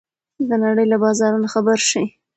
د نړۍ له بازارونو خبر شئ.